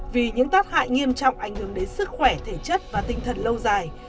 vì những tác hại nghiêm trọng ảnh hưởng đến sức khỏe thể chất và tinh thần lâu dài